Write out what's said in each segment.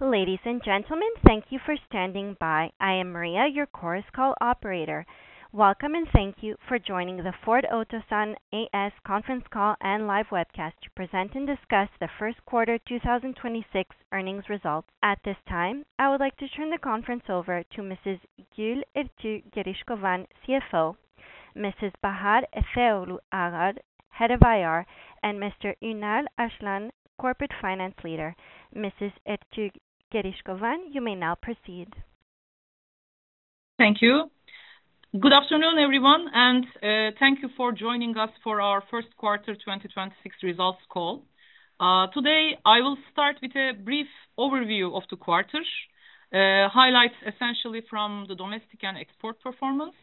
Ladies and gentlemen, thank you for standing by. I am Maria, your Chorus Call operator. Welcome, and thank you for joining the Ford Otosan A.Ş. conference call and live webcast to present and discuss the first quarter 2026 earnings results. At this time, I would like to turn the conference over to Mrs. Gül Ertuğ, CFO, Mrs. Bahar Efeoğlu Ağar, Head of IR, and Mr. Ünal Arslan, Corporate Finance Leader. Mrs. Ertuğ, you may now proceed. Thank you. Good afternoon, everyone, and thank you for joining us for our first quarter 2026 results call. Today, I will start with a brief overview of the quarter, highlights essentially from the domestic and export performance.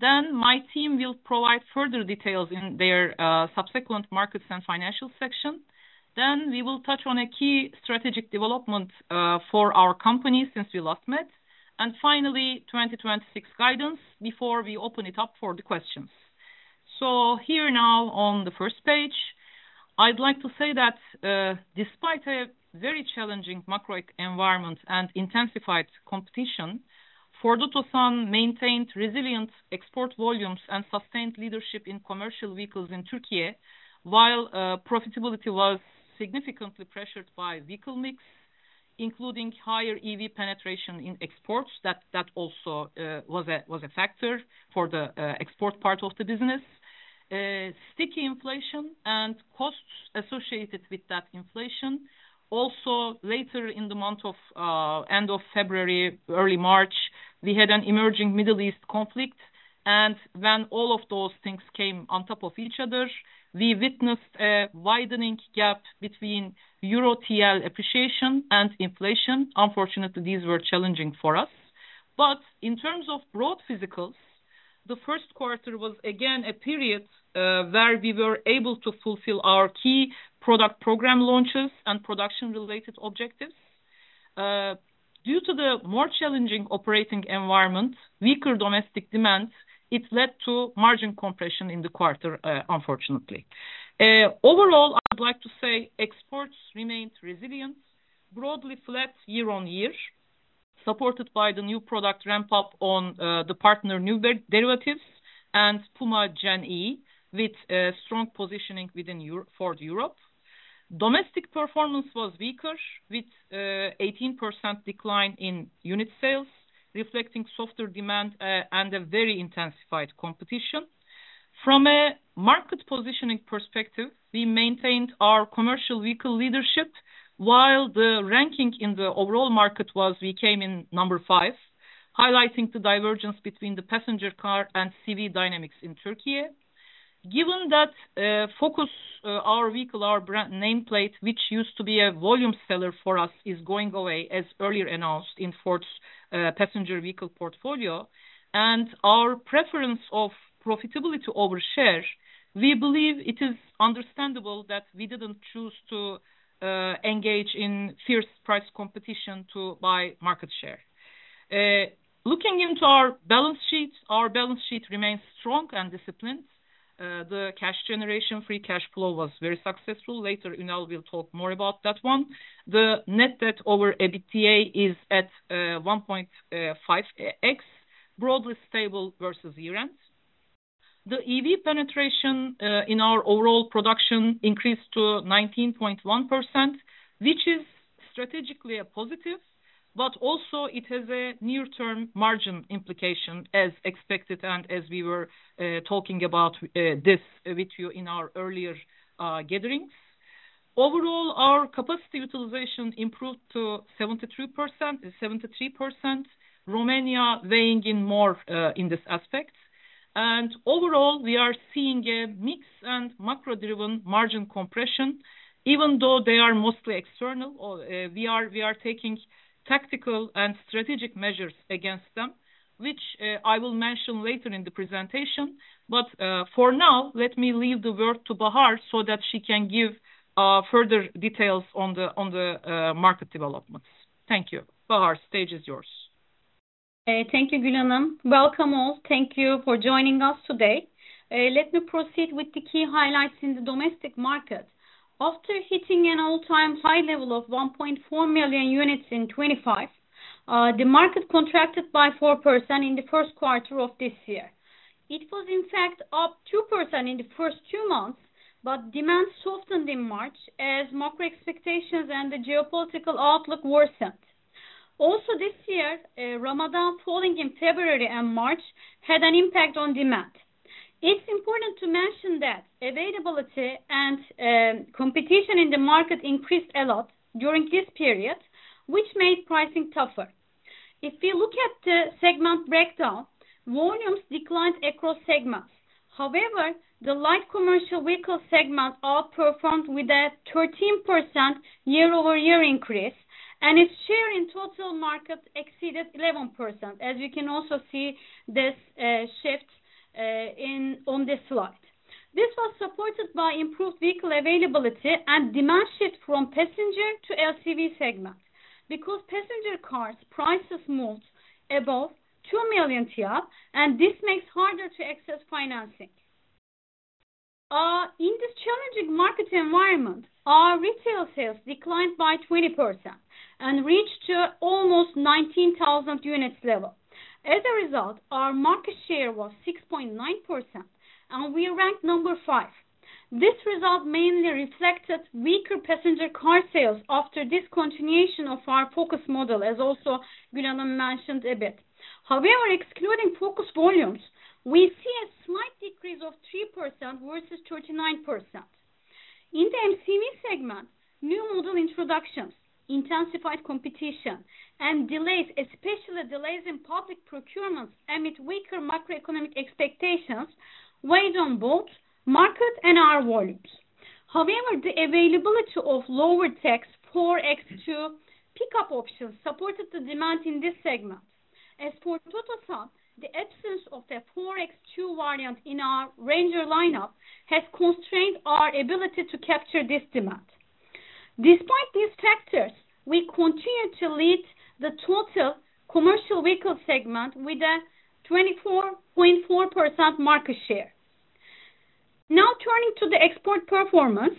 My team will provide further details in their subsequent markets and financial section. We will touch on a key strategic development for our company since we last met, and finally, 2026 guidance before we open it up for the questions. Here now on the first page, I'd like to say that despite a very challenging macro environment and intensified competition, Ford Otosan maintained resilient export volumes and sustained leadership in commercial vehicles in Turkey while profitability was significantly pressured by vehicle mix, including higher EV penetration in exports. That also was a factor for the export part of the business. Sticky inflation and costs associated with that inflation. Later in the end of February, early March, we had an emerging Middle East conflict, and when all of those things came on top of each other, we witnessed a widening gap between EUR/TRY appreciation and inflation. Unfortunately, these were challenging for us. In terms of broad physicals, the first quarter was again a period where we were able to fulfill our key product program launches and production-related objectives. Due to the more challenging operating environment, weaker domestic demand, it led to margin compression in the quarter, unfortunately. Overall, I would like to say exports remained resilient, broadly flat year-on-year, supported by the new product ramp-up on the partner new derivatives and Puma Gen-E, with strong positioning within Ford of Europe. Domestic performance was weaker, with 18% decline in unit sales, reflecting softer demand and a very intensified competition. From a market positioning perspective, we maintained our commercial vehicle leadership while the ranking in the overall market was we came in number 5, highlighting the divergence between the passenger car and CV dynamics in Turkey. Given that Ford Focus, our vehicle, our brand nameplate, which used to be a volume seller for us, is going away as earlier announced in Ford's passenger vehicle portfolio. Our preference of profitability over share, we believe it is understandable that we didn't choose to engage in fierce price competition to buy market share. Looking into our balance sheet, our balance sheet remains strong and disciplined. The cash generation, free cash flow was very successful. Later, Ünal will talk more about that one. The net debt over EBITDA is at 1.5x, broadly stable versus year-end. The EV penetration in our overall production increased to 19.1%, which is strategically a positive, but also it has a near-term margin implication as expected and as we were talking about this with you in our earlier gatherings. Overall, our capacity utilization improved to 73%, Romania weighing in more in this aspect. Overall, we are seeing a mix and macro-driven margin compression. Even though they are mostly external, we are taking tactical and strategic measures against them, which I will mention later in the presentation. For now, let me leave the word to Bahar so that she can give further details on the market developments. Thank you. Bahar, stage is yours. Thank you, Gül Hanım. Welcome all. Thank you for joining us today. Let me proceed with the key highlights in the domestic market. After hitting an all-time high level of 1.4 million units in 2025, the market contracted by 4% in the first quarter of this year. It was in fact up 2% in the first two months, but demand softened in March as macro expectations and the geopolitical outlook worsened. Also this year, Ramadan falling in February and March had an impact on demand. It is important to mention that availability and competition in the market increased a lot during this period, which made pricing tougher. If we look at the segment breakdown, volumes declined across segments. However, the light commercial vehicle segment outperformed with a 13% year-over-year increase, and its share in total market exceeded 11%, as you can also see this shift on this slide. This was supported by improved vehicle availability and demand shift from passenger to LCV segment. Because passenger car prices moved above 2 million TL, and this makes harder to access financing. Market environment, our retail sales declined by 20% and reached to almost 19,000 units level. As a result, our market share was 6.9%, and we ranked number 5. This result mainly reflected weaker passenger car sales after discontinuation of our Ford Focus model, as also Gül Hanım mentioned a bit. However, excluding Ford Focus volumes, we see a slight decrease of 3% versus 39%. In the MCV segment, new model introductions, intensified competition, and delays, especially delays in public procurements amid weaker macroeconomic expectations, weighed on both market and our volumes. However, the availability of lower tax 4X2 pickup options supported the demand in this segment. As for Ford Otosan, the absence of the 4X2 variant in our Ford Ranger lineup has constrained our ability to capture this demand. Despite these factors, we continue to lead the total commercial vehicle segment with a 24.4% market share. Now turning to the export performance.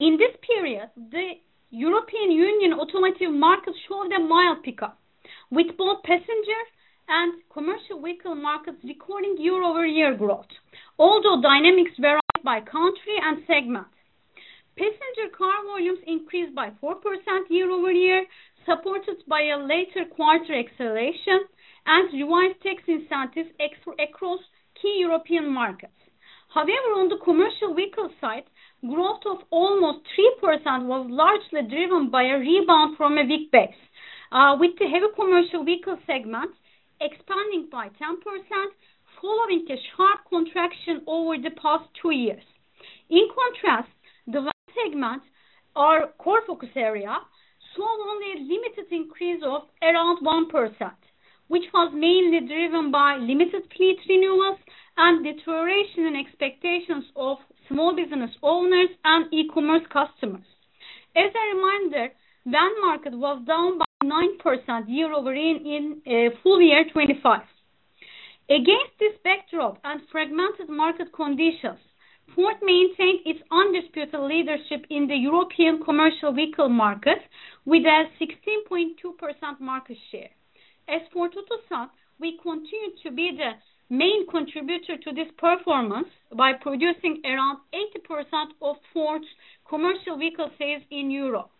In this period, the European Union automotive market showed a mild pickup, with both passenger and commercial vehicle markets recording year-over-year growth, although dynamics varied by country and segment. Passenger car volumes increased by 4% year-over-year, supported by a later quarter acceleration and revised tax incentives across key European markets. However, on the commercial vehicle side, growth of almost 3% was largely driven by a rebound from a weak base, with the heavy commercial vehicle segment expanding by 10%, following a sharp contraction over the past two years. In contrast, the light segment, our core focus area, saw only a limited increase of around 1%, which was mainly driven by limited fleet renewals and deterioration in expectations of small business owners and e-commerce customers. As a reminder, van market was down by 9% year-over-year in full year 2025. Against this backdrop and fragmented market conditions, Ford maintained its undisputed leadership in the European commercial vehicle market with a 16.2% market share. As for Ford Otosan, we continue to be the main contributor to this performance by producing around 80% of Ford's commercial vehicle sales in Europe.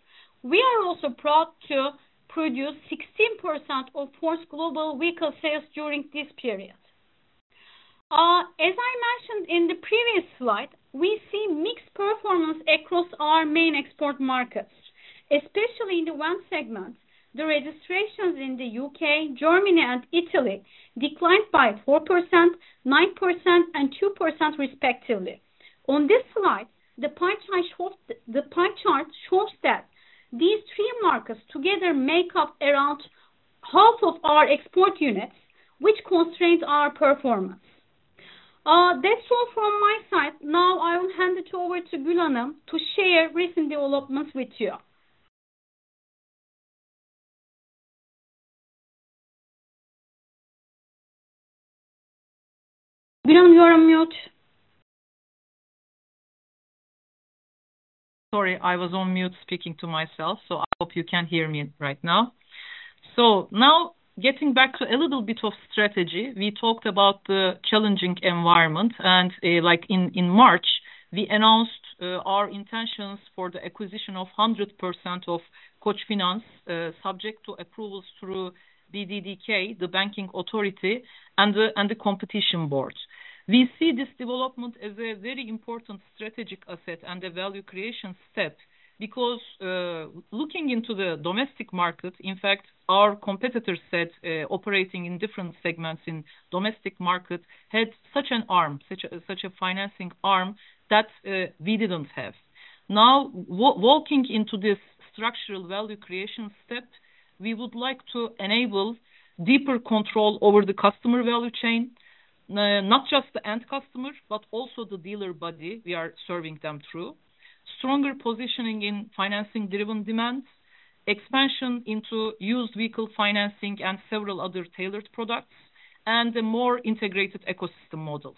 We are also proud to produce 16% of Ford's global vehicle sales during this period. As I mentioned in the previous slide, we see mixed performance across our main export markets, especially in the van segment. The registrations in the U.K., Germany, and Italy declined by 4%, 9%, and 2% respectively. On this slide, the pie chart shows that these three markets together make up around half of our export units, which constrained our performance. That's all from my side. I will hand it over to Gül Hanım to share recent developments with you. Gül Hanım, you're on mute. Sorry, I was on mute speaking to myself, I hope you can hear me right now. Getting back to a little bit of strategy. We talked about the challenging environment, and like in March, we announced our intentions for the acquisition of 100% of Koçfinans, subject to approvals through BDDK, the banking authority, and the competition boards. We see this development as a very important strategic asset and a value creation step, because looking into the domestic market, in fact, our competitor set operating in different segments in domestic market had such an arm, such a financing arm that we didn't have. Walking into this structural value creation step, we would like to enable deeper control over the customer value chain. Not just the end customer, but also the dealer body we are serving them through. Stronger positioning in financing-driven demands, expansion into used vehicle financing, and several other tailored products, and a more integrated ecosystem model.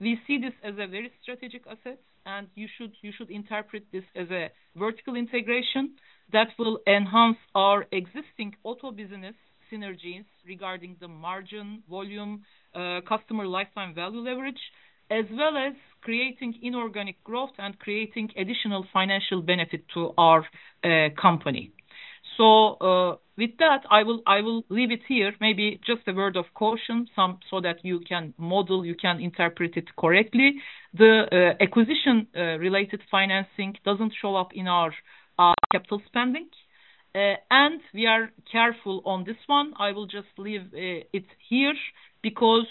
We see this as a very strategic asset, and you should interpret this as a vertical integration that will enhance our existing auto business synergies regarding the margin volume, customer lifetime value leverage, as well as creating inorganic growth and creating additional financial benefit to our company. With that, I will leave it here. Maybe just a word of caution, so that you can model, you can interpret it correctly. The acquisition-related financing doesn't show up in our capital spending, and we are careful on this one. I will just leave it here because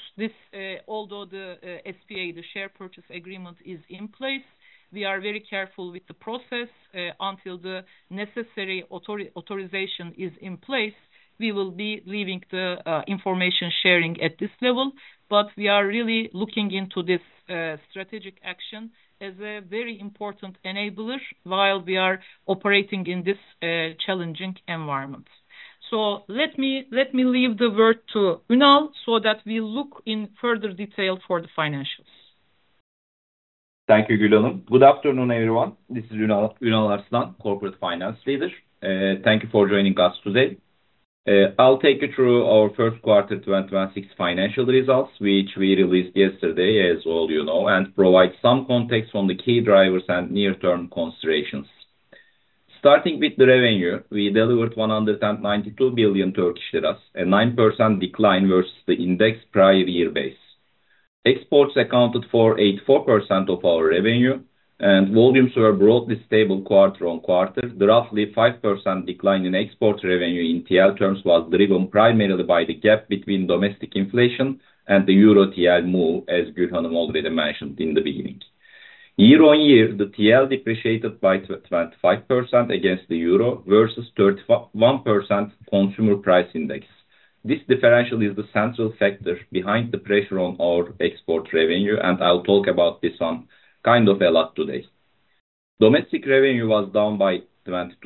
although the SPA, the share purchase agreement, is in place, we are very careful with the process. Until the necessary authorization is in place, we will be leaving the information sharing at this level. We are really looking into this strategic action as a very important enabler while we are operating in this challenging environment. Let me leave the word to Ünal so that we look in further detail for the financials. Thank you, Gülhanım. Good afternoon, everyone. This is Ünal Arslan, Corporate Finance Leader. Thank you for joining us today. I'll take you through our first quarter 2026 financial results, which we released yesterday, as all you know, and provide some context on the key drivers and near-term considerations. Starting with the revenue, we delivered 192 billion Turkish lira, a 9% decline versus the index prior year base. Exports accounted for 84% of our revenue, and volumes were broadly stable quarter-on-quarter. The roughly 5% decline in export revenue in TRY terms was driven primarily by the gap between domestic inflation and the EUR TRY move, as Gülhanım already mentioned in the beginning. Year-on-year, the TRY depreciated by 25% against the EUR versus 31% consumer price index. This differential is the central factor behind the pressure on our export revenue. I'll talk about this on kind of a lot today. Domestic revenue was down by 22%.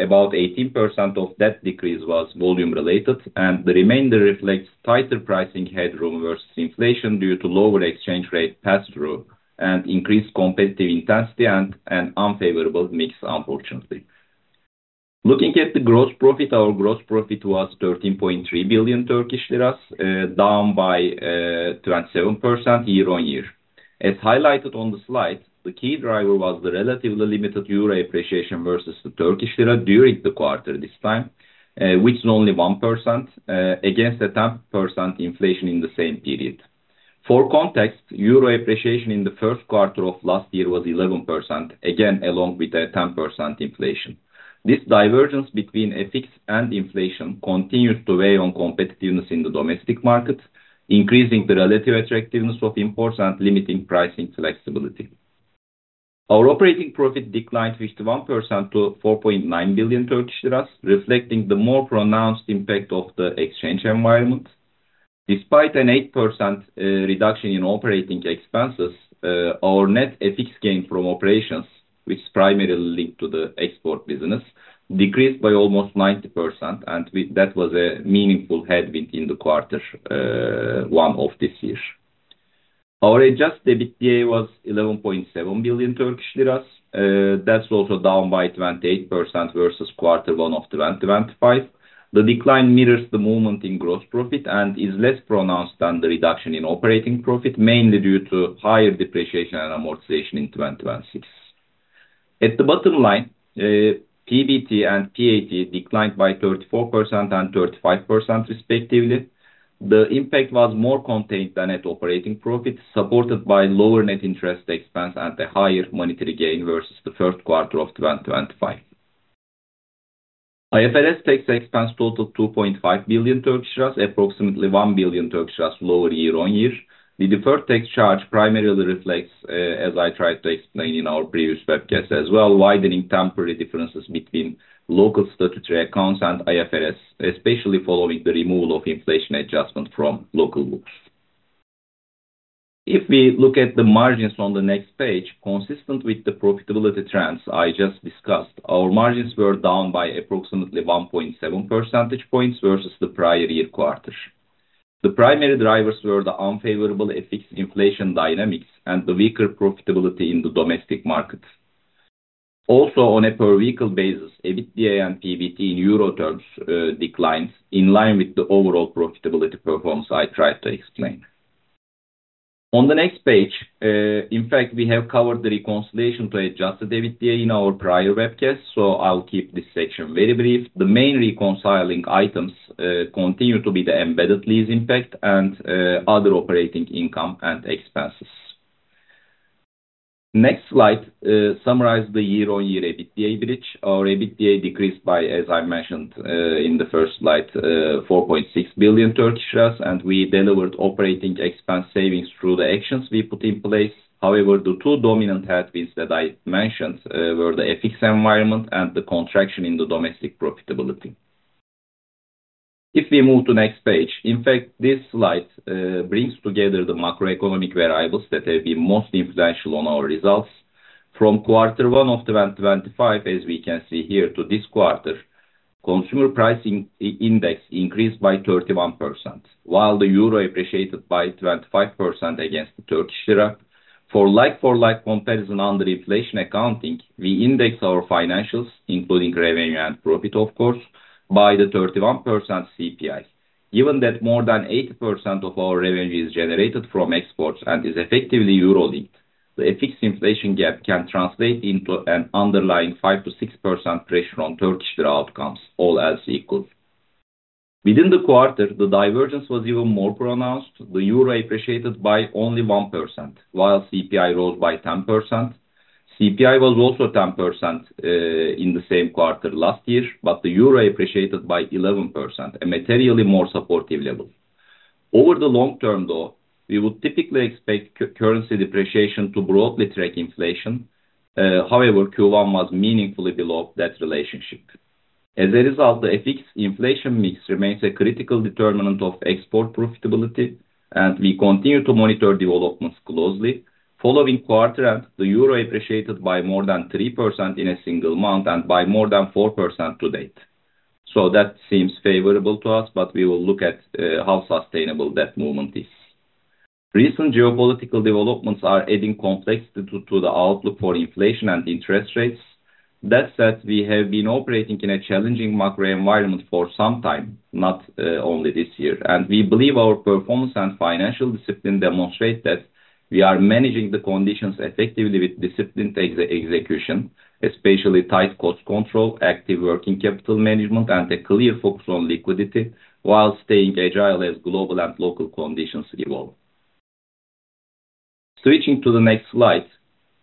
About 18% of that decrease was volume related, and the remainder reflects tighter pricing headroom versus inflation due to lower exchange rate pass-through and increased competitive intensity and unfavorable mix unfortunately. Looking at the gross profit, our gross profit was 13.3 billion Turkish lira, down by 27% year-on-year. As highlighted on the slide, the key driver was the relatively limited EUR appreciation versus the TRY during the quarter this time, which is only 1%, against the 10% inflation in the same period. For context, EUR appreciation in the first quarter of last year was 11%, again along with a 10% inflation. This divergence between FX and inflation continued to weigh on competitiveness in the domestic market, increasing the relative attractiveness of imports and limiting pricing flexibility. Our operating profit declined 51% to 4.9 billion Turkish lira, reflecting the more pronounced impact of the exchange environment. Despite an 8% reduction in operating expenses, our net FX gain from operations, which is primarily linked to the export business, decreased by almost 90%, and that was a meaningful headwind in the quarter one of this year. Our adjusted EBITDA was 11.7 billion Turkish lira. That's also down by 28% versus quarter one of 2025. The decline mirrors the movement in gross profit and is less pronounced than the reduction in operating profit, mainly due to higher depreciation and amortization in 2026. At the bottom line, PBT and PAT declined by 34% and 35% respectively. The impact was more contained than at operating profit, supported by lower net interest expense and a higher monetary gain versus the third quarter of 2025. IFRS tax expense totaled 2.5 billion, approximately 1 billion lower year-on-year. The deferred tax charge primarily reflects, as I tried to explain in our previous webcast as well, widening temporary differences between local statutory accounts and IFRS, especially following the removal of inflation adjustment from local books. If we look at the margins on the next page, consistent with the profitability trends I just discussed, our margins were down by approximately 1.7 percentage points versus the prior year quarter. The primary drivers were the unfavorable FX inflation dynamics and the weaker profitability in the domestic market. Also on a per vehicle basis, EBITDA and PBT in EUR terms declined in line with the overall profitability performance I tried to explain. On the next page, in fact, we have covered the reconciliation to adjusted EBITDA in our prior webcast, so I will keep this section very brief. The main reconciling items continue to be the embedded lease impact and other operating income and expenses. Next slide summarizes the year-on-year EBITDA bridge. Our EBITDA decreased by, as I mentioned in the first slide, 4.6 billion, and we delivered operating expense savings through the actions we put in place. However, the two dominant headwinds that I mentioned were the FX environment and the contraction in the domestic profitability. If we move to next page, in fact, this slide brings together the macroeconomic variables that have been most influential on our results. From quarter one of 2025, as we can see here to this quarter, Consumer Price Index increased by 31%, while the EUR appreciated by 25% against the Turkish lira. For like-for-like comparison under inflation accounting, we indexed our financials, including revenue and profit of course, by the 31% CPI. Given that more than 80% of our revenue is generated from exports and is effectively EUR linked, the FX inflation gap can translate into an underlying 5%-6% pressure on Turkish lira outcomes, all else equal. Within the quarter, the divergence was even more pronounced. The EUR appreciated by only 1%, while CPI rose by 10%. CPI was also 10% in the same quarter last year, but the EUR appreciated by 11%, a materially more supportive level. Over the long term, though, we would typically expect currency depreciation to broadly track inflation. However, Q1 was meaningfully below that relationship. As a result, the FX inflation mix remains a critical determinant of export profitability, and we continue to monitor developments closely. Following quarter, the EUR appreciated by more than 3% in a single month and by more than 4% to date. That seems favorable to us, but we will look at how sustainable that movement is. Recent geopolitical developments are adding complexity to the outlook for inflation and interest rates. That said, we have been operating in a challenging macro environment for some time, not only this year. We believe our performance and financial discipline demonstrate that we are managing the conditions effectively with disciplined execution, especially tight cost control, active working capital management, and a clear focus on liquidity while staying agile as global and local conditions evolve. Switching to the next slide.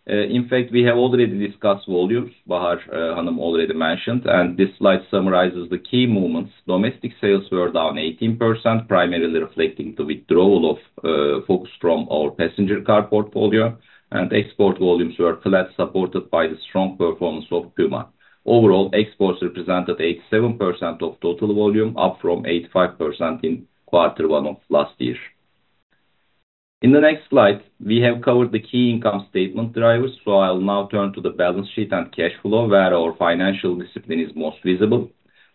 In fact, we have already discussed volumes, Bahar already mentioned. This slide summarizes the key movements. Domestic sales were down 18%, primarily reflecting the withdrawal of Ford Focus from our passenger car portfolio. Export volumes were flat, supported by the strong performance of Puma. Overall, exports represented 87% of total volume, up from 85% in quarter one of last year. In the next slide, we have covered the key income statement drivers. I'll now turn to the balance sheet and cash flow, where our financial discipline is most visible.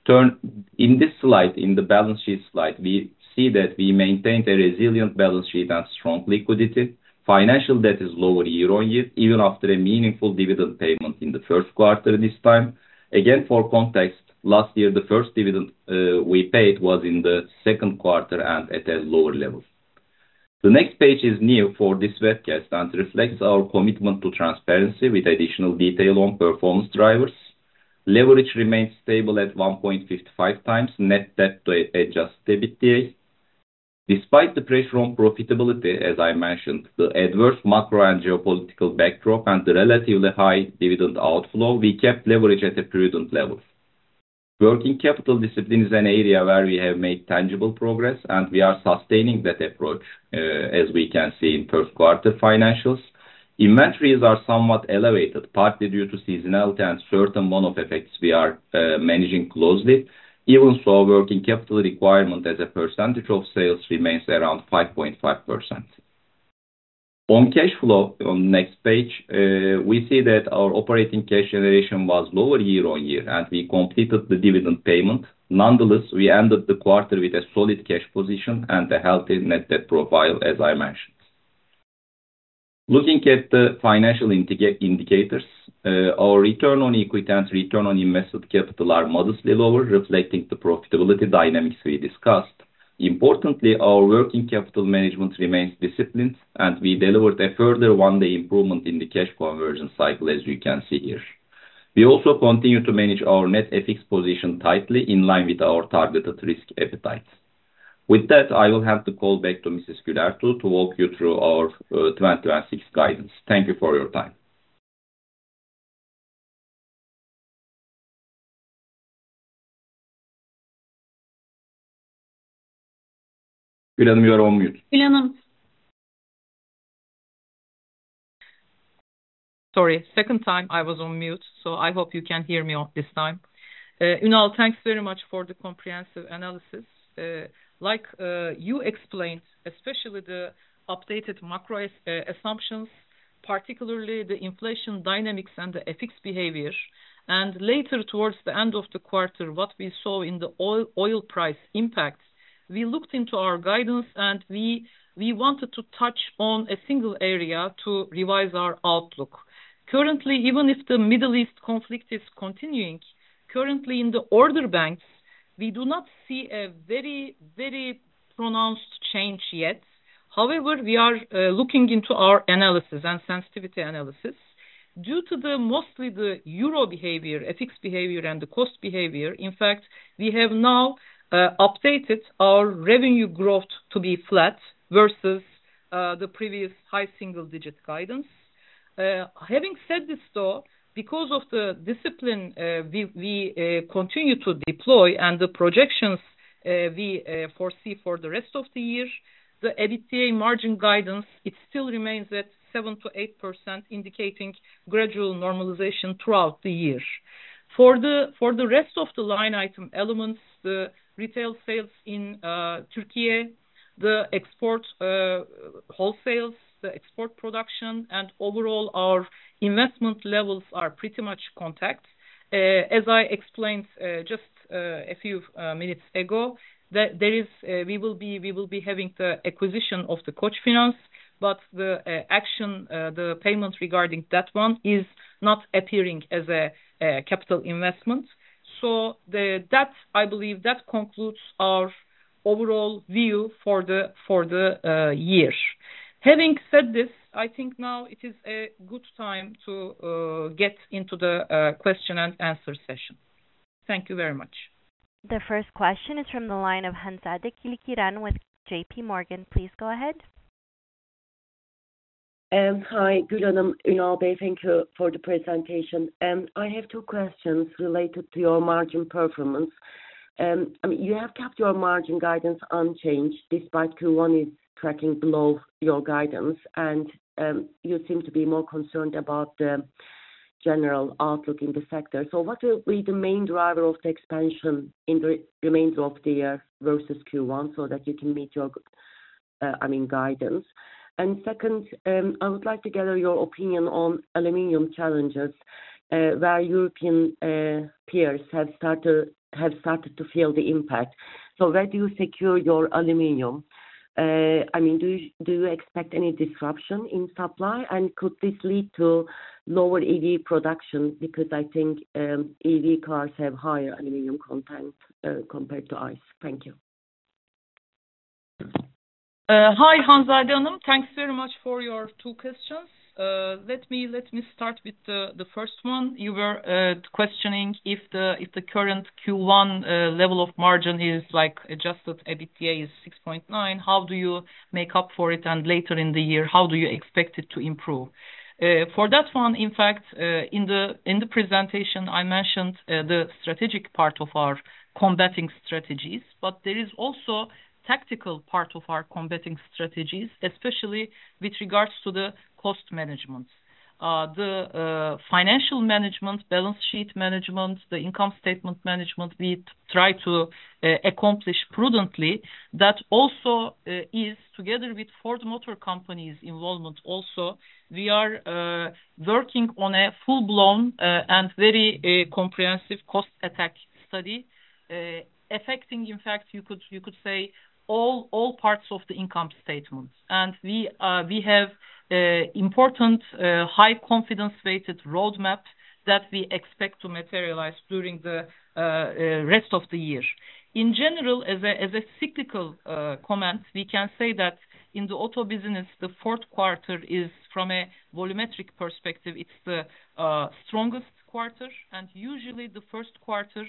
In this slide, in the balance sheet slide, we see that we maintained a resilient balance sheet and strong liquidity. Financial debt is lower year-on-year, even after a meaningful dividend payment in the first quarter this time. For context, last year, the first dividend we paid was in the second quarter and at a lower level. The next page is new for this webcast and reflects our commitment to transparency with additional detail on performance drivers. Leverage remains stable at 1.55x net debt to adjusted EBITDA. Despite the pressure on profitability, as I mentioned, the adverse macro and geopolitical backdrop and the relatively high dividend outflow, we kept leverage at a prudent level. Working capital discipline is an area where we have made tangible progress. We are sustaining that approach, as we can see in first quarter financials. Inventories are somewhat elevated, partly due to seasonality and certain one-off effects we are managing closely. Even so, working capital requirement as a percentage of sales remains around 5.5%. On cash flow, on the next page, we see that our operating cash generation was lower year-on-year. We completed the dividend payment. Nonetheless, we ended the quarter with a solid cash position and a healthy net debt profile, as I mentioned. Looking at the financial indicators, our return on equity and return on invested capital are modestly lower, reflecting the profitability dynamics we discussed. Importantly, our working capital management remains disciplined. We delivered a further one-day improvement in the cash conversion cycle, as you can see here. We also continue to manage our net FX position tightly in line with our targeted risk appetite. With that, I will hand the call back to Mrs. Güler to walk you through our 2026 guidance. Thank you for your time. Gülen, you're on mute. Gül Ertuğ. Sorry, second time I was on mute, so I hope you can hear me this time. Ünal, thanks very much for the comprehensive analysis. Like you explained, especially the updated macro assumptions, particularly the inflation dynamics and the FX behavior, and later towards the end of the quarter, what we saw in the oil price impacts, we looked into our guidance and we wanted to touch on a single area to revise our outlook. Currently, even if the Middle East conflict is continuing, currently in the order banks, we do not see a very pronounced change yet. We are looking into our analysis and sensitivity analysis. Due to mostly the EUR behavior, FX behavior, and the cost behavior, in fact, we have now updated our revenue growth to be flat versus the previous high single-digit guidance. Having said this though, because of the discipline we continue to deploy and the projections we foresee for the rest of the year, the EBITDA margin guidance, it still remains at 7%-8%, indicating gradual normalization throughout the year. For the rest of the line item elements, the retail sales in Türkiye, the export wholesales, the export production, and overall our investment levels are pretty much intact. As I explained just a few minutes ago, that we will be having the acquisition of the Koçfinans, but the action, the payment regarding that one is not appearing as a capital investment. I believe that concludes our overall view for the year. Having said this, I think now it is a good time to get into the question and answer session. Thank you very much. The first question is from the line of Hanzade Kılıçkıran with J.P. Morgan. Please go ahead. Hi, Gül Hanım, Ünal Bey, thank you for the presentation. I have two questions related to your margin performance. You have kept your margin guidance unchanged despite Q1 is tracking below your guidance, you seem to be more concerned about the General outlook in the sector. What will be the main driver of the expansion in the remains of the year versus Q1 so that you can meet your guidance? Second, I would like to gather your opinion on aluminum challenges, where European peers have started to feel the impact. Where do you secure your aluminum? Do you expect any disruption in supply? Could this lead to lower EV production, because I think EV cars have higher aluminum content compared to ICE. Thank you. Hi, Hanzade Hanım. Thanks very much for your two questions. Let me start with the first one. You were questioning if the current Q1 level of margin is like adjusted EBITDA is 6.9%, how do you make up for it, and later in the year, how do you expect it to improve? For that one, in fact, in the presentation, I mentioned the strategic part of our combating strategies, but there is also tactical part of our combating strategies, especially with regards to the cost management. The financial management, balance sheet management, the income statement management we try to accomplish prudently. That also is together with Ford Motor Company's involvement also. We are working on a full-blown and very comprehensive cost attack study, affecting, in fact, you could say all parts of the income statement. We have important high confidence-weighted roadmap that we expect to materialize during the rest of the year. In general, as a cyclical comment, we can say that in the auto business, the fourth quarter is from a volumetric perspective, it's the strongest quarter, and usually the first quarter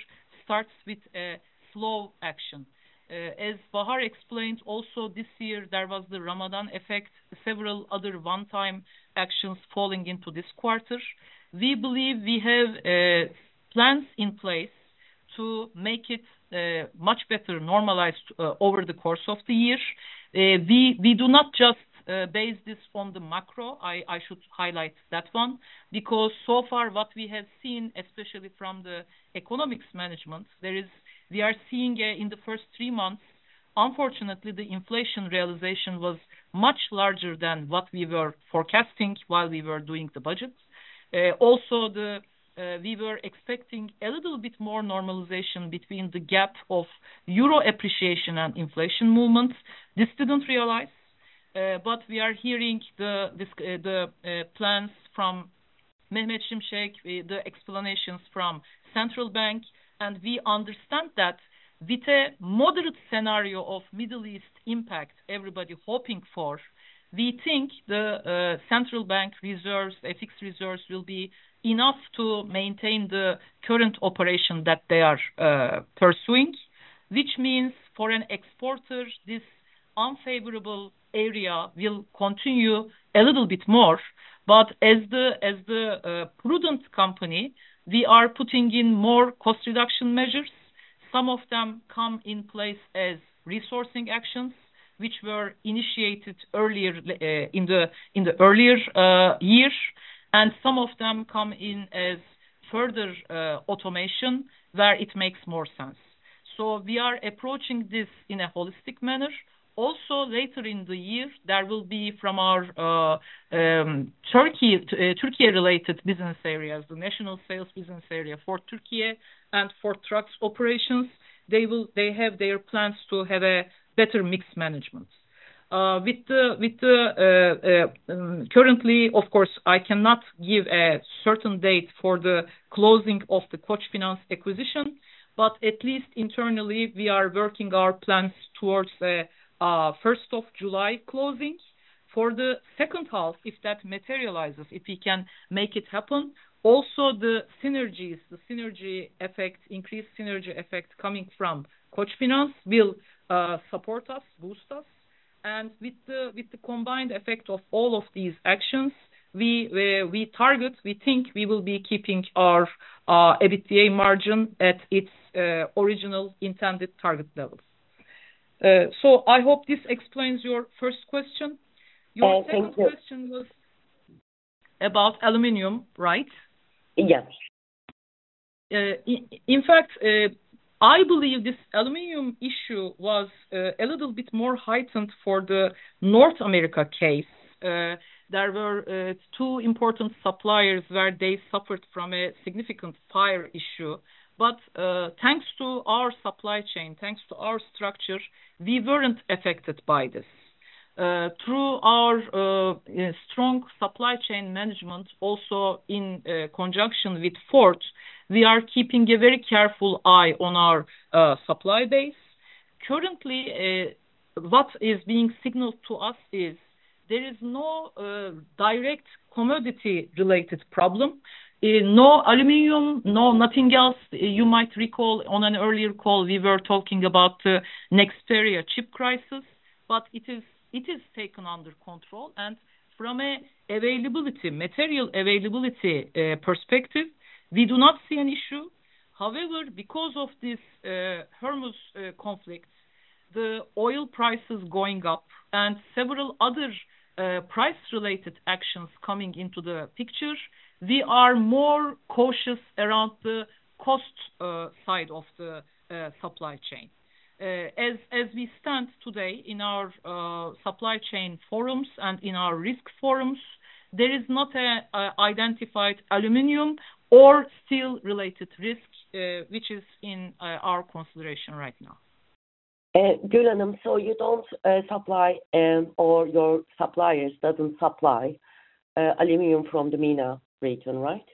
starts with a slow action. As Bahar explained also this year, there was the Ramadan effect, several other one-time actions falling into this quarter. We believe we have plans in place to make it much better normalized over the course of the year. We do not just base this from the macro, I should highlight that one, because so far what we have seen, especially from the economics management, we are seeing in the first three months, unfortunately, the inflation realization was much larger than what we were forecasting while we were doing the budgets. We were expecting a little bit more normalization between the gap of euro appreciation and inflation movements. This didn't realize, but we are hearing the plans from Mehmet Şimşek, the explanations from Central Bank, and we understand that with a moderate scenario of Middle East impact everybody hoping for, we think the Central Bank reserves, FX reserves will be enough to maintain the current operation that they are pursuing. Which means for an exporter, this unfavorable area will continue a little bit more. As the prudent company, we are putting in more cost reduction measures. Some of them come in place as resourcing actions, which were initiated in the earlier year, and some of them come in as further automation where it makes more sense. We are approaching this in a holistic manner. Later in the year, there will be from our Türkiye-related business areas, the national sales business area for Türkiye and for trucks operations, they have their plans to have a better mix management. Currently, of course, I cannot give a certain date for the closing of the Koçfinans acquisition, but at least internally, we are working our plans towards a 1st of July closing. For the second half, if that materializes, if we can make it happen, also the synergies, the synergy effect, increased synergy effect coming from Koçfinans will support us, boost us. With the combined effect of all of these actions, we target, we think we will be keeping our EBITDA margin at its original intended target levels. I hope this explains your first question. Thank you. Your second question was about aluminum, right? Yes. In fact, I believe this aluminum issue was a little bit more heightened for the North America case. There were two important suppliers where they suffered from a significant fire issue. Thanks to our supply chain, thanks to our structure, we weren't affected by this. Through our strong supply chain management, also in conjunction with Ford, we are keeping a very careful eye on our supply base. Currently, what is being signaled to us is there is no direct commodity-related problem, no aluminum, no nothing else. You might recall on an earlier call, we were talking about Nexperia chip crisis, but it is taken under control. From a material availability perspective, we do not see an issue. However, because of this Hormuz conflict, the oil price is going up and several other price-related actions coming into the picture, we are more cautious around the cost side of the supply chain. As we stand today in our supply chain forums and in our risk forums, there is not an identified aluminum or steel-related risk, which is in our consideration right now. Gül, you don't supply or your suppliers doesn't supply aluminum from the MENA region, right?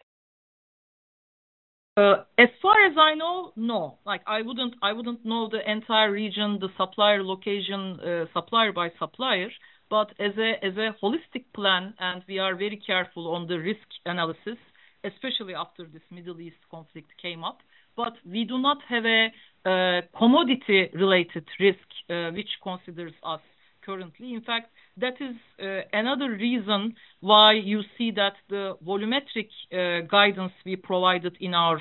As far as I know, no. I wouldn't know the entire region, the supplier location, supplier by supplier. As a holistic plan, and we are very careful on the risk analysis, especially after this Middle East conflict came up, we do not have a commodity-related risk which considers us currently. In fact, that is another reason why you see that the volumetric guidance we provided in our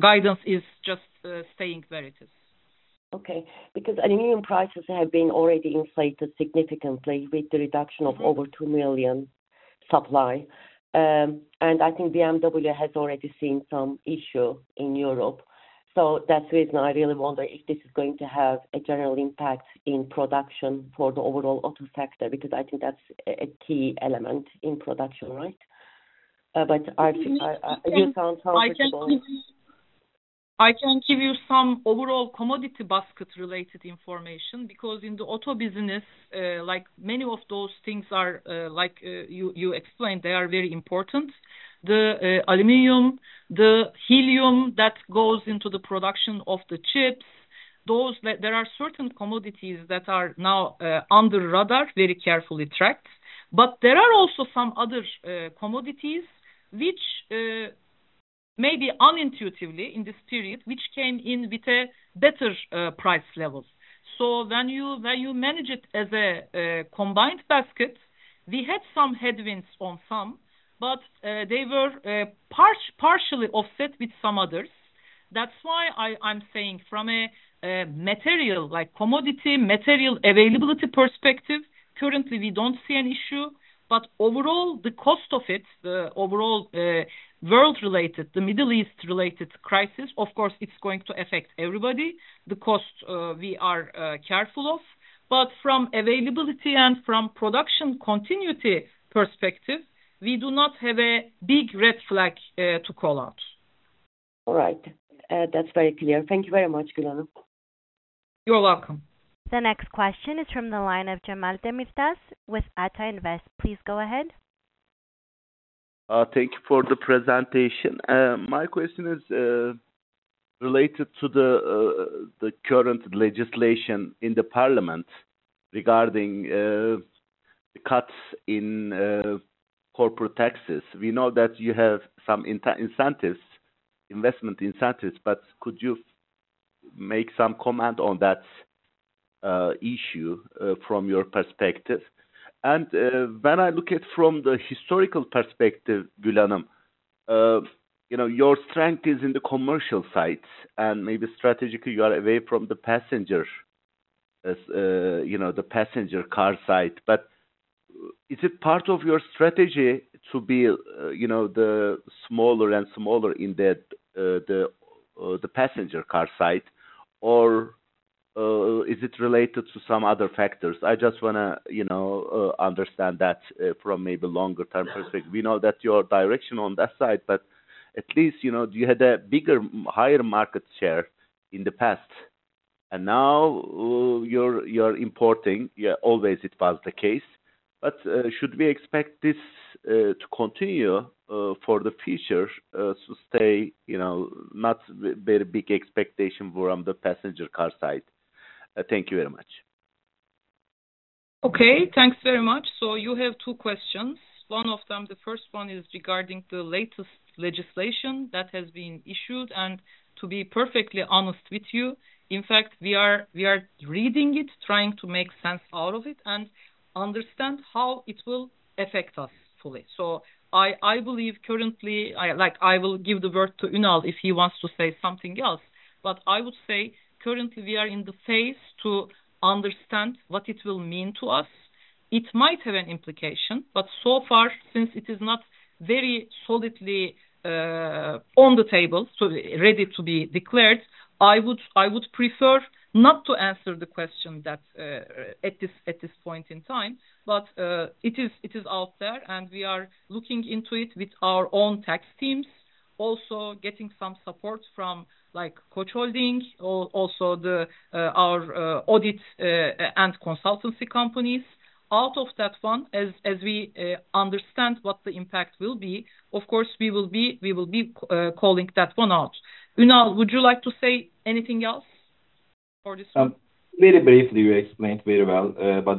guidance is just staying where it is. Okay. Aluminum prices have been already inflated significantly with the reduction of over 2 million supply. I think BMW has already seen some issue in Europe. That's the reason I really wonder if this is going to have a general impact in production for the overall auto sector, because I think that's a key element in production, right? You sound confident. I can give you some overall commodity basket-related information, because in the auto business, many of those things are like you explained, they are very important. The aluminum, the helium that goes into the production of the chips, there are certain commodities that are now under radar, very carefully tracked. There are also some other commodities which may be unintuitively in this period, which came in with better price levels. When you manage it as a combined basket, we had some headwinds on some, but they were partially offset with some others. That's why I'm saying from a material, like commodity material availability perspective, currently we don't see an issue. Overall, the cost of it, the overall world-related, the Middle East-related crisis, of course, it's going to affect everybody. The cost we are careful of. From availability and from production continuity perspective, we do not have a big red flag to call out. All right. That's very clear. Thank you very much, Gül. You're welcome. The next question is from the line of Cemal Demirtaş with Ata Invest. Please go ahead. Thank you for the presentation. My question is related to the current legislation in the parliament regarding the cuts in corporate taxes. We know that you have some investment incentives, could you make some comment on that issue from your perspective? When I look at it from the historical perspective, Gül, your strength is in the commercial side, and maybe strategically you are away from the passenger car side. Is it part of your strategy to be smaller and smaller in the passenger car side, or is it related to some other factors? I just want to understand that from maybe longer-term perspective. We know that your direction on that side, but at least you had a bigger, higher market share in the past. Now you're importing. Always it was the case. Should we expect this to continue for the future to stay not very big expectation from the passenger car side? Thank you very much. Okay. Thanks very much. You have two questions. One of them, the first one is regarding the latest legislation that has been issued. To be perfectly honest with you, in fact, we are reading it, trying to make sense out of it and understand how it will affect us fully. I believe currently, I will give the word to Ünal if he wants to say something else. I would say currently we are in the phase to understand what it will mean to us. It might have an implication, but so far, since it is not very solidly on the table, ready to be declared, I would prefer not to answer the question at this point in time. It is out there, and we are looking into it with our own tax teams, also getting some support from Koç Holding, also our audit and consultancy companies. Out of that one, as we understand what the impact will be, of course, we will be calling that one out. Ünal, would you like to say anything else for this one? Very briefly. You explained very well.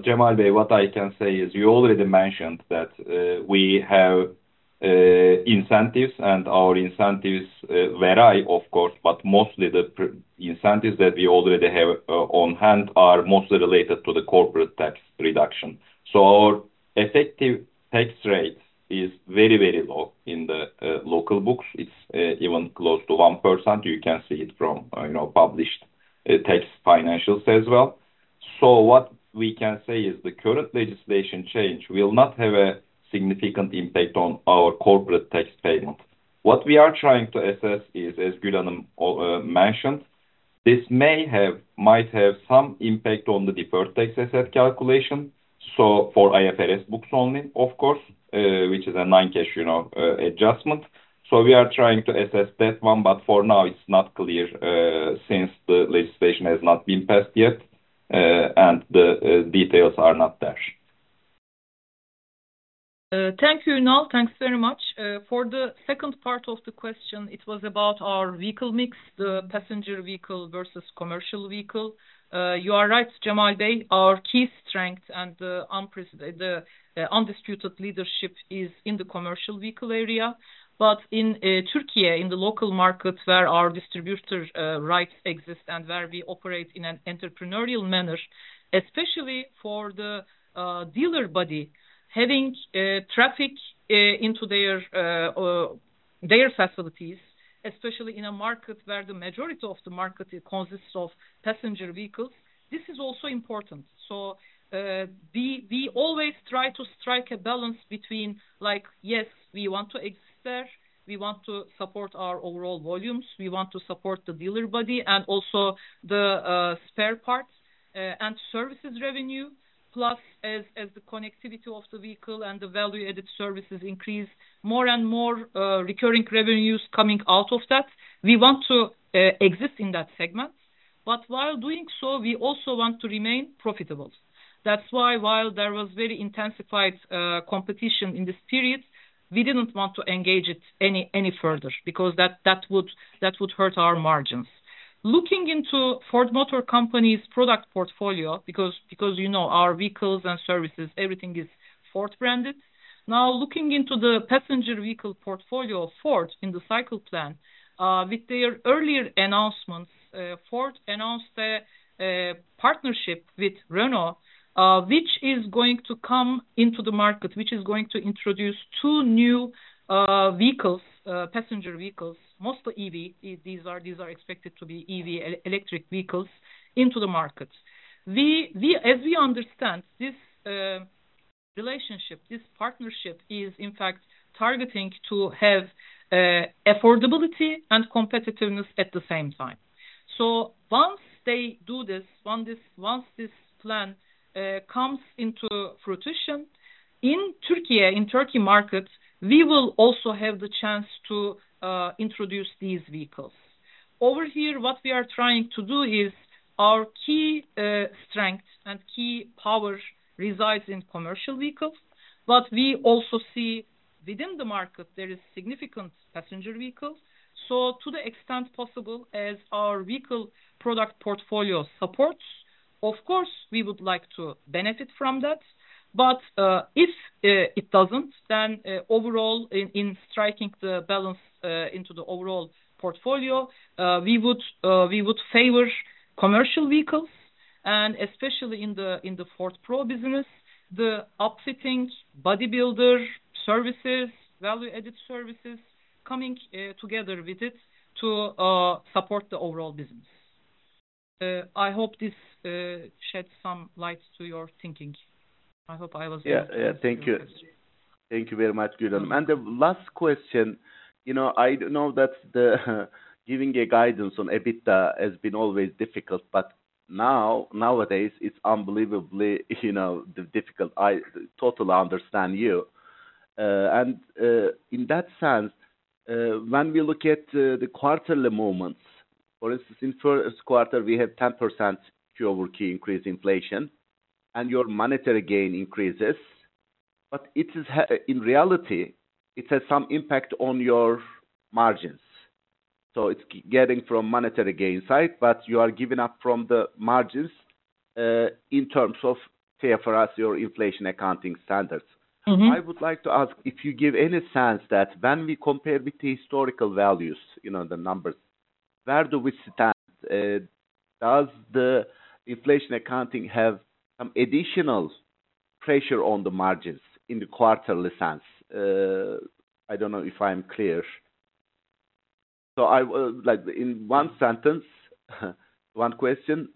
Cemal, what I can say is you already mentioned that we have incentives, and our incentives vary, of course, but mostly the incentives that we already have on hand are mostly related to the corporate tax reduction. Our Effective tax rate is very, very low in the local books. It's even close to 1%. You can see it from published tax financials as well. What we can say is the current legislation change will not have a significant impact on our corporate tax payment. What we are trying to assess is, as Gülhanım mentioned, this might have some impact on the deferred tax asset calculation. For IFRS books only, of course, which is a non-cash adjustment. We are trying to assess that one, for now it's not clear, since the legislation has not been passed yet, and the details are not there. Thank you, Ünal. Thanks very much. For the second part of the question, it was about our vehicle mix, the passenger vehicle versus commercial vehicle. You are right, Cemal Bey. Our key strength and the undisputed leadership is in the commercial vehicle area. In Türkiye, in the local market where our distributor rights exist and where we operate in an entrepreneurial manner, especially for the dealer body having traffic into their facilities, especially in a market where the majority of the market consists of passenger vehicles, this is also important. We always try to strike a balance between, yes, we want to exist there, we want to support our overall volumes, we want to support the dealer body and also the spare parts and services revenue. As the connectivity of the vehicle and the value-added services increase, more and more recurring revenues coming out of that. We want to exist in that segment. While doing so, we also want to remain profitable. That's why while there was very intensified competition in this period, we didn't want to engage it any further because that would hurt our margins. Looking into Ford Motor Company's product portfolio, because you know our vehicles and services, everything is Ford-branded. Looking into the passenger vehicle portfolio of Ford in the cycle plan, with their earlier announcements, Ford announced a partnership with Renault which is going to come into the market, which is going to introduce two new passenger vehicles, mostly EV, these are expected to be EV, electric vehicles, into the market. As we understand, this relationship, this partnership is in fact targeting to have affordability and competitiveness at the same time. Once they do this, once this plan comes into fruition, in Turkey market, we will also have the chance to introduce these vehicles. What we are trying to do is our key strength and key power resides in commercial vehicles, but we also see within the market there is significant passenger vehicles. To the extent possible, as our vehicle product portfolio supports, of course, we would like to benefit from that. But if it doesn't, then overall, in striking the balance into the overall portfolio, we would favor commercial vehicles, and especially in the Ford Pro business, the upfitting, bodybuilder services, value-added services coming together with it to support the overall business. I hope this sheds some light to your thinking. I hope I was able to answer your question. Thank you. Thank you very much, Gülhanım. The last question. I know that giving a guidance on EBITDA has been always difficult, but nowadays it's unbelievably difficult. I totally understand you. In that sense, when we look at the quarterly movements, for instance, in first quarter, we had 10% QoQ increase inflation, and your monetary gain increases. In reality, it has some impact on your margins. It's getting from monetary gain side, but you are giving up from the margins, in terms of TFRS or inflation accounting standards. I would like to ask if you give any sense that when we compare with historical values, the numbers, where do we stand? Does the inflation accounting have some additional pressure on the margins in the quarterly sense? I don't know if I'm clear. In one sentence, one question,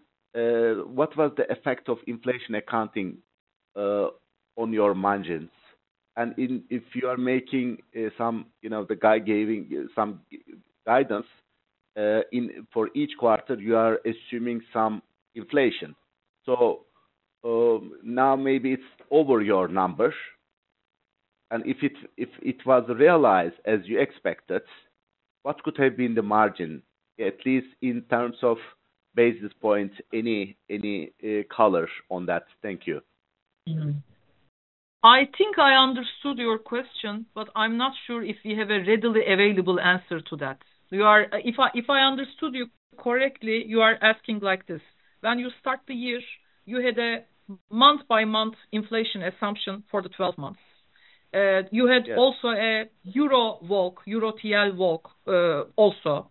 what was the effect of inflation accounting on your margins? If you are making some, the guy giving some guidance, for each quarter, you are assuming some inflation. Now maybe it's over your numbers. If it was realized as you expected, what could have been the margin, at least in terms of basis points? Any color on that? Thank you. I think I understood your question, but I'm not sure if we have a readily available answer to that. If I understood you correctly, you are asking like this. When you start the year, you had a month-by-month inflation assumption for the 12 months. You had also. Yes a Euro walk, Euro TRY walk, also.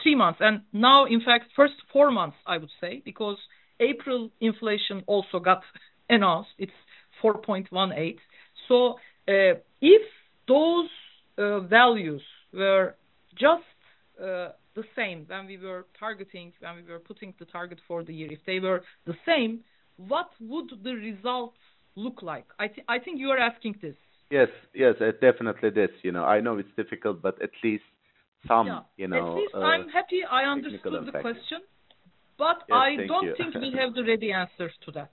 Three months, now in fact, first four months, I would say, because April inflation also got announced, it's 4.18%. If those values were just the same when we were targeting, when we were putting the target for the year, if they were the same, what would the results look like? I think you are asking this. Yes, definitely this. I know it's difficult. At least I'm happy I understood the question. Yes, thank you. I don't think we have the ready answers to that.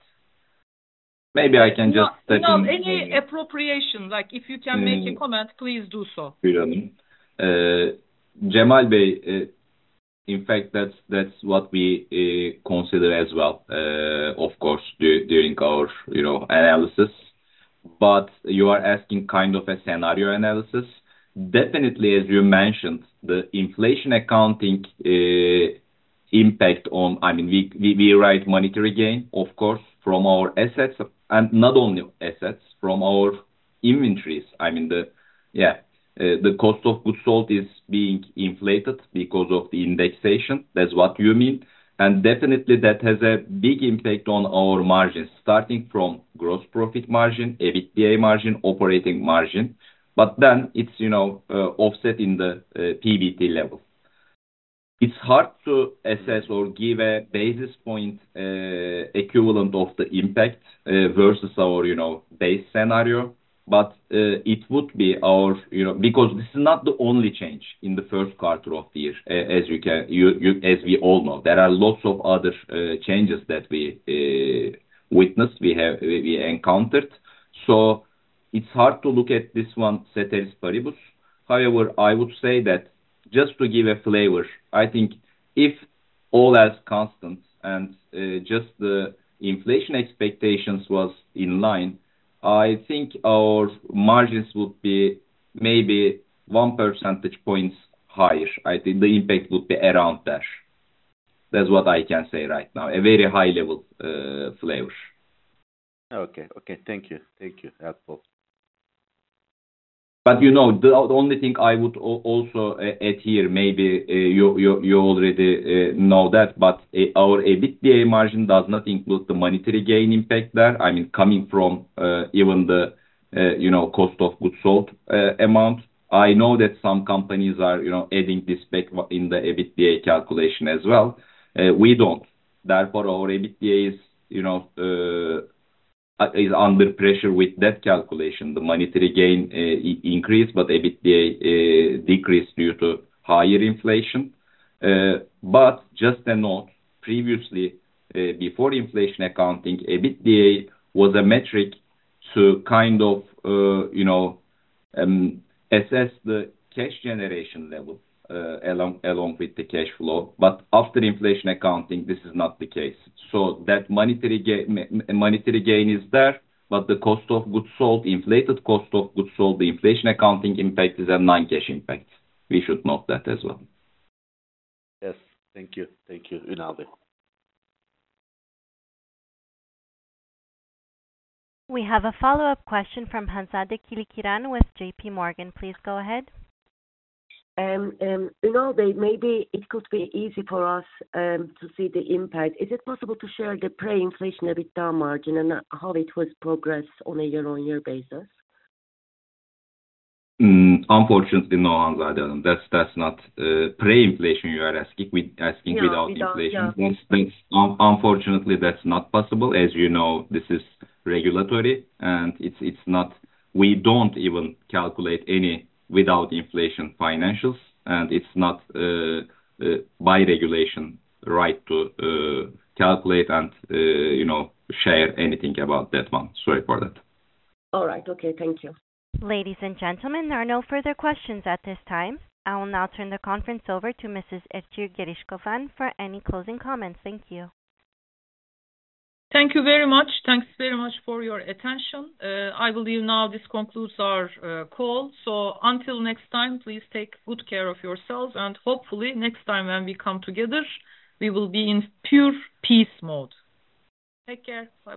Any appropriation, if you can make a comment, please do so. Sure. Cemal Bey, in fact, that's what we consider as well, of course, during our analysis. You are asking kind of a scenario analysis. Definitely, as you mentioned, the inflation accounting impact on monetary gain, of course, from our assets, and not only assets, from our inventories. The cost of goods sold is being inflated because of the indexation. That's what you mean. Definitely that has a big impact on our margins, starting from gross profit margin, EBITDA margin, operating margin. It's offset in the PBT level. It's hard to assess or give a basis point equivalent of the impact versus our base scenario, because this is not the only change in the first quarter of the year, as we all know. There are lots of other changes that we witnessed, we encountered. It's hard to look at this one ceteris paribus. I would say that just to give a flavor, I think if all as constant and just the inflation expectations was in line, I think our margins would be maybe one percentage points higher. I think the impact would be around there. That's what I can say right now, a very high level flavor. Okay. Thank you. Helpful. The only thing I would also add here, maybe you already know that, our EBITDA margin does not include the monetary gain impact there. Coming from even the cost of goods sold amount. I know that some companies are adding this back in the EBITDA calculation as well. We don't. Our EBITDA is under pressure with that calculation. The monetary gain increased, EBITDA decreased due to higher inflation. Just a note, previously, before inflation accounting, EBITDA was a metric to kind of assess the cash generation level along with the cash flow. After inflation accounting, this is not the case. That monetary gain is there, but the cost of goods sold, the inflated cost of goods sold, the inflation accounting impact is a non-cash impact. We should note that as well. Yes. Thank you. Thank you, Ünal Bay. We have a follow-up question from Hanzade Kılıçkıran with J.P. Morgan. Please go ahead. Ünal Bay, maybe it could be easy for us to see the impact. Is it possible to share the pre-inflation EBITDA margin and how it was progress on a year-on-year basis? Unfortunately, no, Hanzade. That's not pre-inflation you are asking without inflation. No, without, yeah. Unfortunately, that's not possible. As you know, this is regulatory and we don't even calculate any without inflation financials, and it's not by regulation right to calculate and share anything about that one. Sorry for that. All right. Okay. Thank you. Ladies and gentlemen, there are no further questions at this time. I will now turn the conference over to Mrs. Itir Girishkofin for any closing comments. Thank you. Thank you very much. Thanks very much for your attention. I believe now this concludes our call. Until next time, please take good care of yourselves and hopefully next time when we come together, we will be in pure peace mode. Take care. Bye-bye.